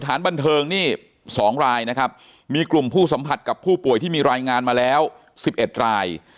สถานบันเทิงนี่๒รายนะครับมีกลุ่มผู้สัมผัสกับผู้ป่วยที่มีรายงานมาแล้ว๑๑ราย